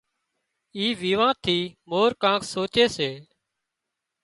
اِي ويوان ٿي مور ڪانڪ سوچي سي